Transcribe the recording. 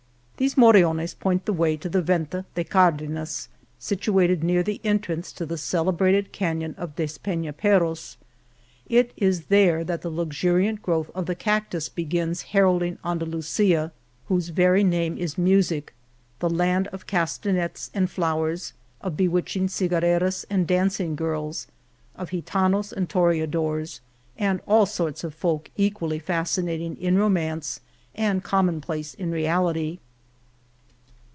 These moriones point the way to the Venta de Cardenas, situated near the entrance to the celebrated canon of De speiiaperros. It is there that the luxuriant growth of the cactus begins heralding Anda lusia, whose very name is music ; the land 223 Venta de Cardenas of castanets and flowers, of bewitching cigar reras and dancing girls, of gitanos and tore adors, and all sorts of folk equally fascinat ing in romance and commonplace in reality.